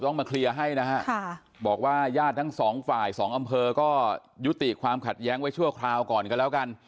มาเคลียร์ให้นะฮะบอกว่าญาติทั้งสองฝ่ายสองอำเภอก็ยุติความขัดแย้งไว้ชั่วคราวก่อนกันแล้วกัน